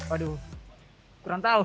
aduh kurang tahu